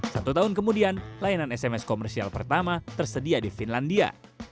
satu tahun kemudian layanan sms komersial pertama tersedia di finlandia